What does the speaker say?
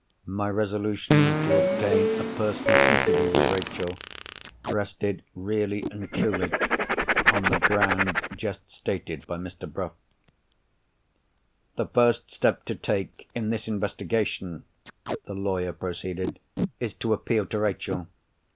My resolution to obtain a personal interview with Rachel, rested really and truly on the ground just stated by Mr. Bruff. "The first step to take in this investigation," the lawyer proceeded, "is to appeal to Rachel.